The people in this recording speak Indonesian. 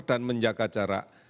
dan menjaga jarak